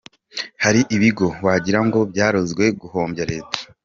Hari ibigo wagira ngo byarozwe guhombya leta.